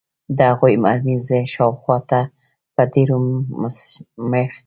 د هغوې مرمۍ زموږ شاوخوا ته پر ډبرو مښتې.